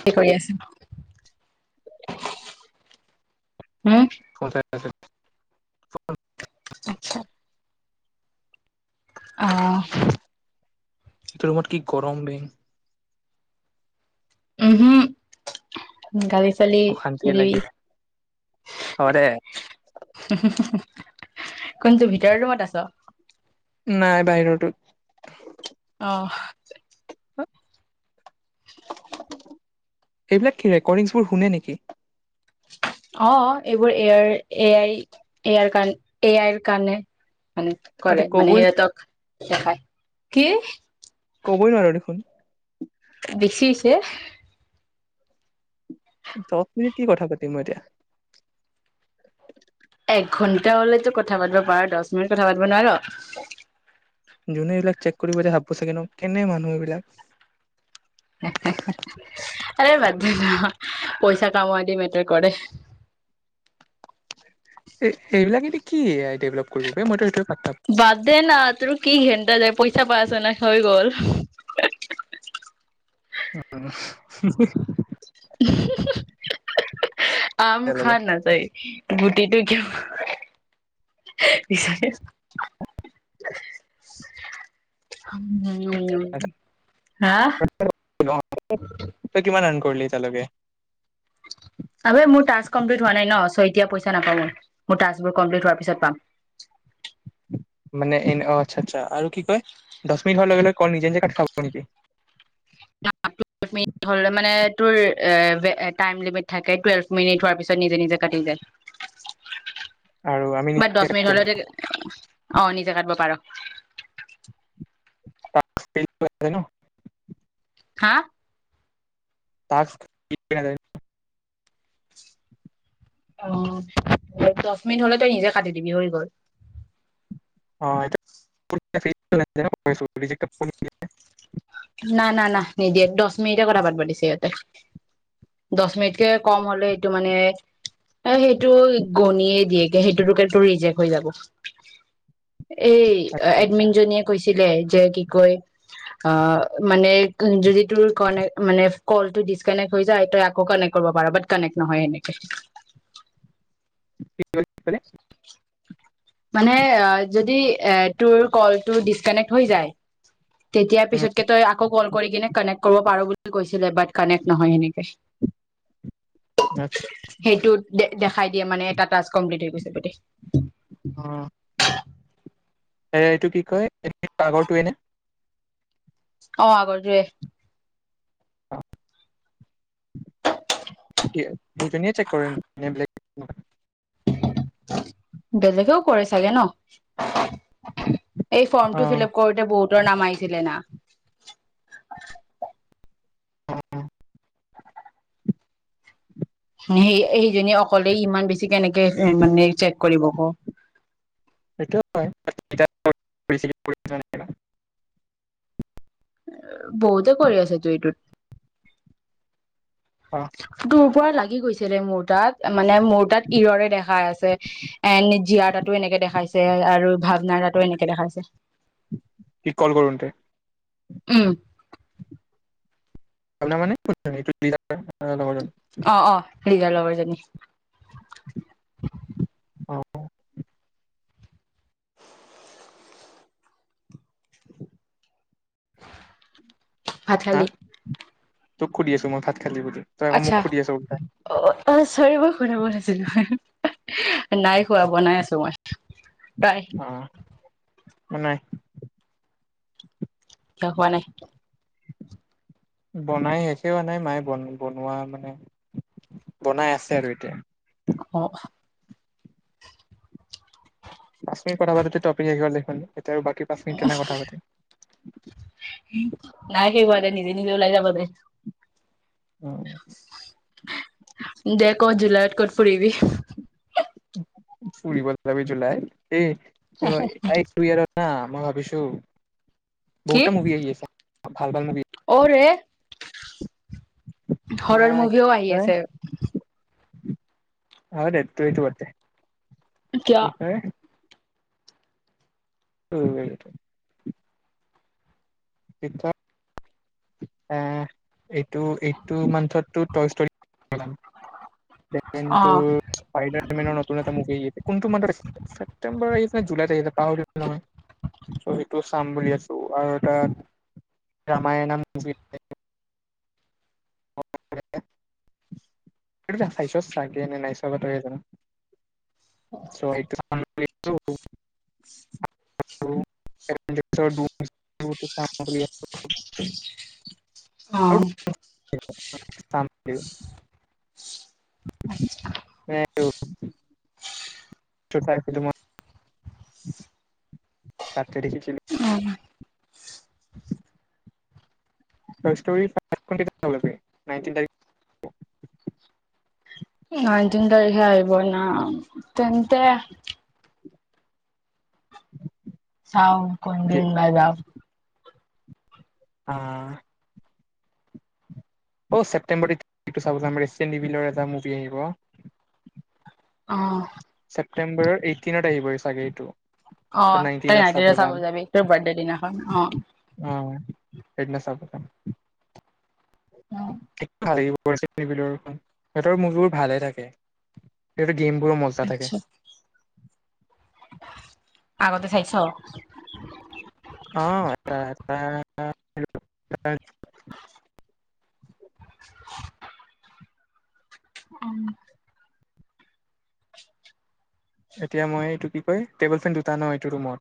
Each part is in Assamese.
কি কৰি আছো ন'। হম। পঞ্চায়ত। আতছা। অ' এইটো ৰৰুমত কি গৰম বং। উম হম গালি চলি অশান্তিয়ে নিদিবি লাগি হয় দে কোনটো ভিতৰৰ ৰুমত আছ? নাই বাহিৰতো। অ এইবিলাক কি ৰেকৰ্ডিংছ বোৰ শুনে নেকি? অ'এইবোৰ এয় এ আই এয়াৰ কাৰ, এ আইৰ কাৰণে। মানে তহঁতে কৰে মানে কবই সিহঁতক [unintelligible] কি? কবই নোৱাৰো দেখোন? বেছিছে দহ মিনিট কি কথা পাতিম মই এতিয়া? এক ঘন্টা হলেতো কথা পাতিব পাৰা দহ মিনিট কথা পাতিব নোৱাৰ? যোনে এইবিলাক চেক কৰিব যে ভাবো চাগেনো কেনে মানুহ এইবিলাক। আৰে বাদে না পইচা কামোৱ দি মেটাৰ কৰে। এ এইবিলাক এদি কি এআই ডেভেলপ কৰিব প মইতো এইটো বাদে না তোৰ কি ঘেণ্ন্দা যায় পইচা পাই আছ নাই। হৈ গ'ল অ আম খা এতিয়ালৈকে না তাই। গুটিটো কিয় বিচাৰিছ। উ। উ তই কিমান ৰান হা কৰিলি তালকে আবে মোৰ টাস্ক কমপ্লিট হোৱা নাই ন, চৌ এতিয়া পইচা নাপাম মোৰ টাস্ক বোৰ কমপ্লি হোৱাৰ পিছত পাম। মানে এনে অ আচ্ছা, আচ্ছা আৰু কি কয় দহ মিনিট হোৱাৰ লগে, লগে কল নিজে নিজে কাটি খাব নেকি? টোৰ এ টাইম লিমিট থাকে টুৱেল্ভ মিনিট হোৱাৰ পিছত নিজে, নিজে কাটি যায়। আৰু আমি বাত নিজে দহ কাট মিনিট খাব ন হলে অ' নিজে কাটিব পাৰ। টাস্ক [unintelligible] হা? টাস্ক [unintelligible] অ' দহ মিনিট হলে তই নিজে কাটি দিবি হৈ গ'ল। অ' [unintelligible] না, না, না, নিদিয়ে দহ মিনিটে কথা পাত পাতিছে ইহঁতে, দহ মিনিটকে কম হলে সেইটো মানে এ সেইটো গণিয়ে দিয়েকে সেইটোতোক ৰিজেক্ হৈ যাব। এই আচ্ছা আচ্ছা। এডমিনজনীয়ে কৈছে তিলে যে কি কৈ আ মানে যদি তোৰ কানক মানে কল ডিচকানেক্ট হৈ যায় তই আকৌ কানেক্ট কৰিব পাৰ ব কানেক্ট নহয় এনেকে কি ক'লে। মানে যদি তোৰ য তেতিয়া পিছতক তকৌ কল কৰি কিনে পাৰ কৈছিল খানে কৰে নহয় মানে। আচ্ছা সেইটো দে দেখাই দিয়ে মানে এটা ট্ কমপ্লিট হৈ গৈছে বুট অ এ এইটো কি কয় এই আগৰটোৱে নে? অ আগ যে অ সেইটোৱেয়ে চেক কৰে বেলেগ নকৰে। বেলেগেও কৰে চাগে ন এই অ ফৰ্মটো ফিল আপ কৰোতে বহুতৰ নাম আহিছিলে না। অ সেই সেইজনী অকলে ইমান বেছি কেনেকে মানে চেক কৰিব ক সেইটোৱেই হয়। বহুতে কৰি আছ তু অ এইটোত। দুৰ্বল লাগে। লি গৈছিলে মোৰ তাত মানে মোৰ তাত ইৰৰে দেখাই আছে এণ্ড জীয়াৰ তাতো এনেকে দেখাইছে আৰু ভাৱনাৰ তাতো এনেকে দেখাইছে ঠিক কল কৰোতে। উম আনা মানে সেইটো এে সেই লগৰজনি। সেয়া লগৰজনি। অ ভাত হা খালি। তোক সোধু আছো মই হা আচছা অ অ চৰিব কৰিব আছিল নো নাই খোৱা বনাই আছো মই। প্ৰায় অ বনাই কিয় হোৱা নাই। বনাই শেষো নাই মায়ে বন বনোৱা মানে বনাই আছে আৰু এতিয়া। অ পাছত কথা পাতেটপিক আহিব দেখ এতিয়া আৰু বাকী পাচখিনি কেনেক কথা পাতিম। আজি কিন্তু ওলাই যাব দে। অ দে ক'ত জিলা ক'ত পুৰিবি। ফুৰি বাব যাবি জুলাইত এই অ ইাৰ ন মই ভাবিছো। কি বহুতটা মোক আহি আছে ভাল ভাল অ হৰৰ আহ মুভিও আহি আছে। অ ন তো এইটো বত কিয় কি কয়? টো এইটো। পিঠা আহ এইটো এইটো মান্থতো দেন অ স্পাইডাৰ মেনৰ নতুন এটা মোনাটো মান ছেপ্টেম্বৰ । জুলাই তাৰিখতে পাহৰি নহয় চ' সেইটো চাম বুলি আছো আৰু এটা ৰামায় নাম। কিনি। সেইটো চাইছ চাগেনে নাইছ ত জানো চ সামগ্ৰ অহ। থাম সেই টোটো চাই ফিলোমত। তাততে দেখিছিলো। উ ষ্টৰি নট তাৰ নাইতিন তাৰিখে আহিব ন তেন্তে চাও কোন দিন ন যাওঁ। অহ অ' ছেপ্টেম্বৰাৰিটো চ ৰেষ্টিভিলৰ এটা মুভি আহিব। অহ ছেপটেম্বৰ এইটিনত আহিবই চাগ এইটো আহ তই নাইনটিনত নাইটৰে চাব যাম যাবি তোৰ বাৰ্থডে দিনাখন আহ অ', তে খাৰি নি সিহঁতৰ মুখবোৰ ভালে থাকে সেই গেমবোৰো মজা থাকে। আচ্ছা আগতে চাইছ অ আটা আটা। উম এতিয়া মই এইটো কি কয় টেবুল ফেন দুটা ন এইটো ৰুমত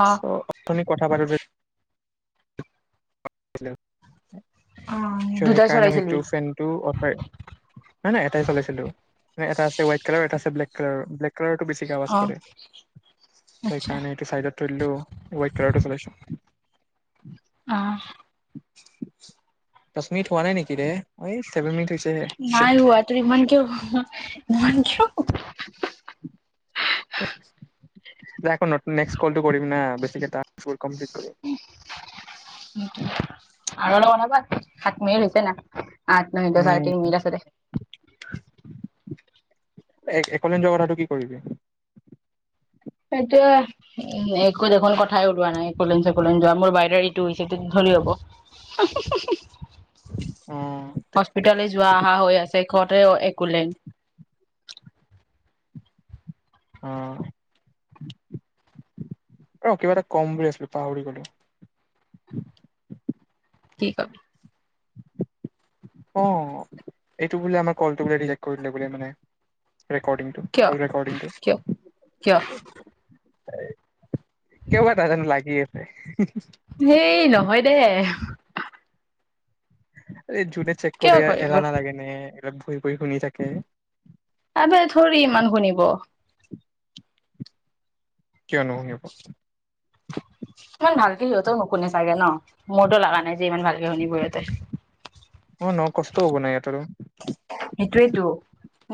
অ চ' অথনি কথা পাতোতে [unintelligible] অ সে - দুটাই সেইকাৰণে চলাইছিলি সেইটো ফেনটো [unintelligible] নাই নাই এটাই চলাইছিলো। নে এটা আছে হোৱাইট কালাৰ, এটা আছে ব্লেক কালাৰ, ব্লেক কালাৰ টো বেছিকে আৱাজ অ কৰে, সেইকাৰণে সেইটো চাইডত থৈ দিলো, হোৱাইট কালাৰটো চলাইছো। [inaudible] অহ। [inaudible] দচ মিনিট হোৱা নাই নেকি ৰে, এই ছেভেন মিনিট হৈছে। নাই হোৱা। তুমি ইমান কিয় [unintelligible] [unintelligible] এতিয়া আকো নত - নেক্সট্ কলটো কৰিম না বেছিকে টাস্ক [unintelligible] [unintelligible] [unintelligible] মিনিট হৈছে না? আঠ, নই, দচ আৰু উম। তিনি মিনিট আছেদে। এক - এক'লেণ্ড যোৱা কথাটো কি কৰিবি? সেইটোয়ে উ। একো দেখোন কথাই ওলোৱা নাই এক'লেণ্ড চেক'লেণ্ড যোৱা, মোৰ বাইডাৰ ঋতু হৈছে [unintelligible] হব। অ হস্পিতালৈ যোৱা আহা হৈ আছে। শেষতে অ - একু'লেণ্ড। অঁ। অ' কিবা এটা কম বুলি আছিলো পাহৰি গলো। কি ক? অ' এইটো বোলে আমাৰ কল টো বোলে ৰিজেক্ট কৰি দিলে বোলে মানে ৰেকৰ্ডিং টো কিয় কল ৰেকৰ্ডিং কিয় কিয় টো। কিয়বা নাজানো লাগি আছে। [unintelligible] হেই নহয় দে। এই জুনে চেক কিয় কৰে কৰিব এলাহ নালাগে নে? [unintelligible] ফুৰি শুনি থাকে। আবে থৰি ইমান শুনিব। [inaudible] কিয় নুশুনিব? ইমান ভালকে সিহঁতেও নুশুনে চাগে ন? মোৰতো লাগা নাই যে ইমান ভালকে শুনিব সিহঁতে। অ ন কষ্ট হ'ব না ইহঁতৰো। সেইটোৱে টো,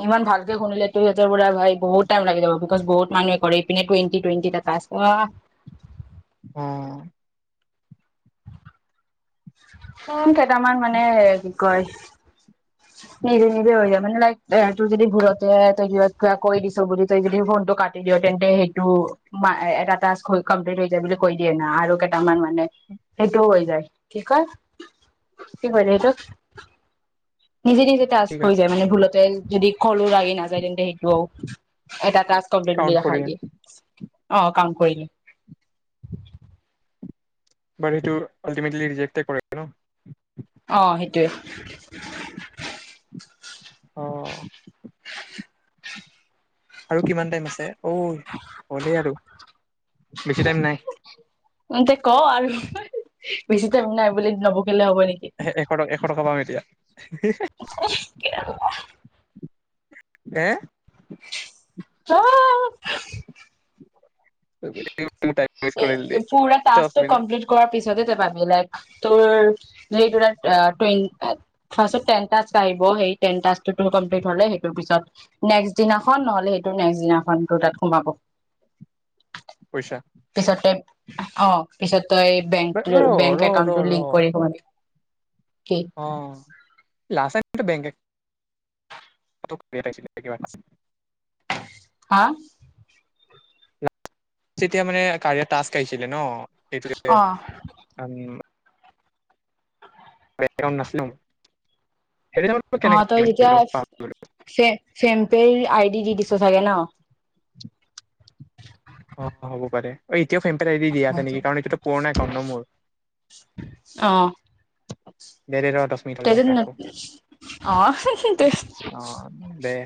ইমান ভালকে শুনিলে টো সিঁহতৰ পুৰা ভাই বহুত টাইম লাগি যাব বিকজ বহুত মানুহে কৰে। ইপিনে টুৱেণ্টি টুৱেণ্টি তা টাস্ক। ৱাহ। অঁ। [unintelligible] টামান মানে কি কয় নিজে নিজে হৈ যায়। মানে লাইক, তোৰ যদি ঘুৰতে তই [unintelligible] কৈ দিছ বুলি, তই যদি ফোনটো কাটি দিয় তেন্তে সেইটো মা - এ - এটা টাস্ক হৈ কমপ্লিট হৈ যায় বুলি কৈ দিয়ে না আৰু কেটামান মানে সেইটোও হৈ যায়, কি কয়, কি কয় ৰে সেইটোক? নিজে নিজে টাচ ঠিক হৈ আছে যায় মানে ভুলতে যদি কলো লাগি নাযায় তেন্তে সেই ব এটা কমপ্লিট উ কাউণ্ট কৰি দেখাই দিয়ে অ কাম কৰিলো। বাৰ সেইটো ৰিজেক্টে কৰে ন আহ সেইটোৱে। অ আৰু কিমান টাইম আছে অই হ'লেই আৰু বেছি টাইম নাই এতে ক আৰু বেছি টাইম নাই বুলি নবকলে হ'ব নেকি এশ টকা এশ টকা পাম এতিয়া অউ কেলা। এে আহ কৰিব লাগিব। এ পুৰা টাস্টো মিনিট কমপ্লিট কৰাৰ পিছত পাবি লাই ত ত ফ্ষটন আহিব সেই নম্ হলে সেইটো পিছত নেক্ দিনাখন নহলে সেইটো নেক্স দিনাখন তাত সোমাব পইচা পিছতে অ পিছত তই বেং ৰ বেংক ৰ ৰ একাউণ্টৰ ৰ লিংক কৰি কি অ লাচলাইনটো বেংক পতকে একেবাৰে। হা তেতিয়া মানে কাৰিয় তাচ আহিছিলে ন অ' সেইটোকে আম ওবেত কম নাছিলো। অ ত এতিয়াে পাহৰিলোঁ চেম পে আইত দি দি দিছো চাগে ন অ হ'ব পাৰে ঐ এতিয়াও ফেম পে দি দিয়া আছে নেকি কাৰণ এইটোতো পুৰণা কাৰণ ন মোৰ বেৰেৰত তেজ ন অ হেহে অ দে